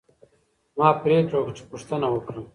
ما پریکړه وکړه چې پوښتنه وکړم.